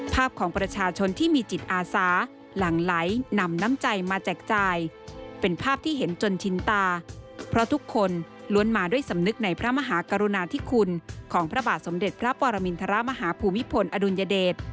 ภาพของประชาชนที่มีจิตอาสาหลั่งไหลนำน้ำใจมาแจกจ่ายเป็นภาพที่เห็นจนชินตาเพราะทุกคนล้วนมาด้วยสำนึกในพระมหากรุณาธิคุณของพระบาทสมเด็จพระปรมินทรมาฮภูมิพลอดุลยเดช